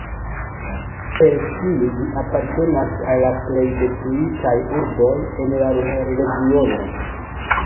Per tio ĝi apartenas al la pleje detruitaj urboj en la Ruhr-Regiono.